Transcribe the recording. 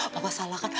papa salah kan